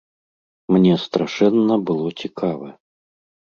Мне страшэнна было цікава.